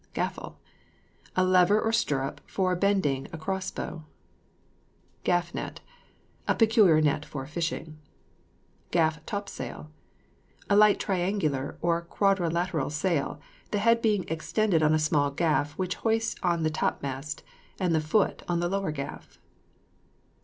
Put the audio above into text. GAFFLE. A lever or stirrup for bending a cross bow. GAFF NET. A peculiar net for fishing. GAFF TOPSAIL. A light triangular or quadrilateral sail, the head being extended on a small gaff which hoists on the top mast, and the foot on the lower gaff.